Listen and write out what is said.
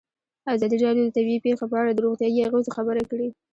ازادي راډیو د طبیعي پېښې په اړه د روغتیایي اغېزو خبره کړې.